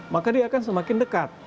maka dia akan semakin dekat